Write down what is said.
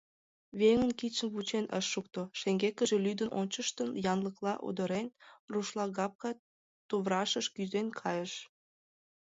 Веҥын кидшым вучен ыш шукто, шеҥгекыже лӱдын ончыштын, янлыкла удырен, рушлагапка туврашыш кӱзен кайыш.